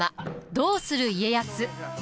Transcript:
「どうする家康」。